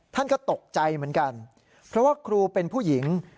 ท่านก็ตกใจเหมือนกันเพราะว่าครูเป็นผู้หญิง